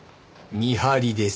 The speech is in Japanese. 見張りです。